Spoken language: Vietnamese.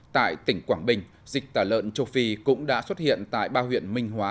tại tỉnh quảng bình dịch tả lợn châu phi cũng đã xuất hiện tại ba huyện minh hóa